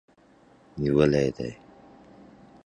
ملالۍ بیرغ ورته نیولی دی.